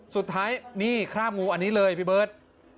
สุดท้ายนี่คราบงูอันนี้เลยพี่เบิร์ต